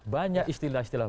banyak istilah istilah baru